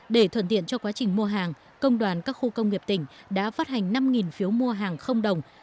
để thuận tiện cho quá trình mua hàng công đoàn các khu công nghiệp tỉnh đã phát hành năm phiếu mua hàng đồng